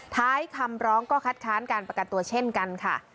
ท้ายคำร้องก็คัดค้านการประกันตัวเช่นกันค่ะ